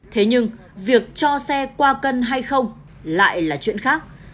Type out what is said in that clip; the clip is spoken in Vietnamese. thế nhưng việc cho xe qua cân hay không lại là chuyện khác